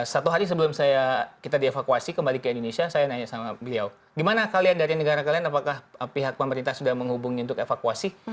satu hari sebelum kita dievakuasi kembali ke indonesia saya nanya sama beliau gimana kalian dari negara kalian apakah pihak pemerintah sudah menghubungi untuk evakuasi